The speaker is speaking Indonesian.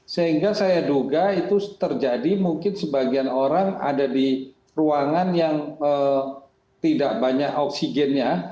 sehingga saya duga itu terjadi mungkin sebagian orang ada di ruangan yang tidak banyak oksigennya